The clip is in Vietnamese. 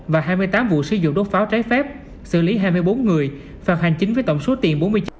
và hai mươi tám vụ sử dụng đốt pháo trái phép xử lý hai mươi bốn người phạt hành chính với tổng số tiền bốn mươi chín triệu đồng